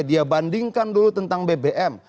dia bandingkan dulu tentang bbm